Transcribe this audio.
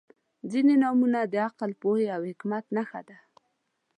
• ځینې نومونه د عقل، پوهې او حکمت نښه ده.